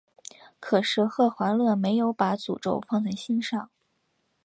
可是赫华勒没有把诅咒放在心上。